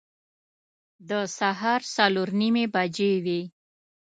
د سهار څلور نیمې بجې وې.